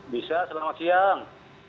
bisa selamat siang